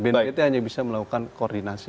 bnpt hanya bisa melakukan koordinasi